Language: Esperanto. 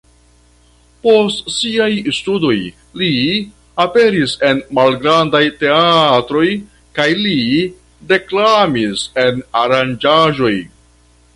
Post siaj studoj li aperis en malgrandaj teatroj kaj li deklamis en aranĝaĵoj.